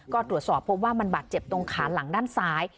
ก็ตรวจสอบพบว่ามันบาดเจ็บตรงขาหลังด้านซ้าย